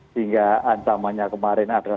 sehingga ancamannya kemarin adalah dua belas